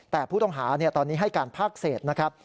แต่ผู้ต้องหาตอนนี้ให้การภาคเศษนะครับ